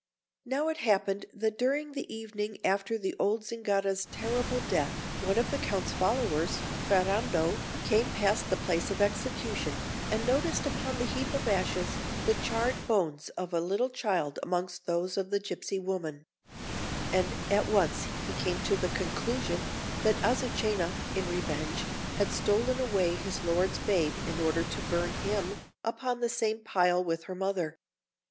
Now it happened that during the evening after the old Zingara's terrible death one of the Count's followers, Ferrando, came past the place of execution, and noticed upon the heap of ashes the charred bones of a little child amongst those of the gipsy woman; and he at once came to the conclusion that Azucena, in revenge, had stolen away his lord's babe in order to burn him upon the same pile with her mother.